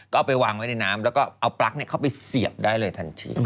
ก็เอาไปวางไว้ในน้ำแล้วก็เอาปลั๊กเข้าไปเสียบได้เลยทันที